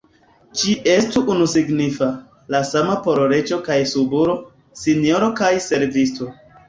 Ĝi estu unusignifa, la sama por reĝo kaj subulo, sinjoro kaj servisto.